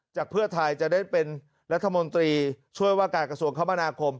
เพื่อไทยจะได้เป็นรัฐมนตรีช่วยว่าการกระทรวงคมนาคม